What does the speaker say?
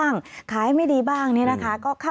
ฟังเสียงลูกจ้างรัฐตรเนธค่ะ